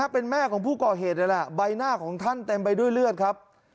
เป็นแม่ของผู้ก่อเหตุเลยแหละใบหน้าของท่านเต็มไปด้วยเลือดครับ